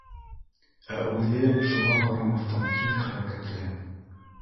Ә үҙе, шуға ҡарамаҫтан, тиҙ хәрәкәтле